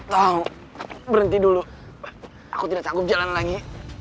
wow berhenti dulu aku tidak sanggup jalan lagi